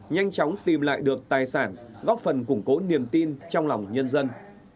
nhanh chóng tìm lại được tài sản góp phần củng cố niềm tin trong lòng nhân dân